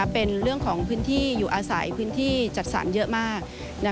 เป็นเรื่องของพื้นที่อยู่อาศัยพื้นที่จัดสรรเยอะมาก